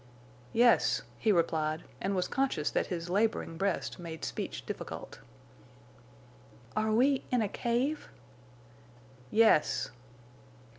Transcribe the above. "Yes," he replied, and was conscious that his laboring breast made speech difficult. "Are we—in a cave?" "Yes."